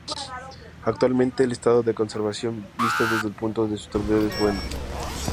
Actualmente el estado de conservación visto desde el punto de su estabilidad es bueno.